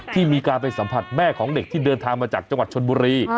ที่มีการไปสัมผัสแม่ของเด็กที่เดินทางมาจากจังหวัดชนบุรี